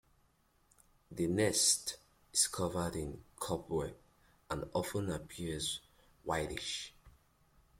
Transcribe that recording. The nest is covered in cobwebs and often appears whitish.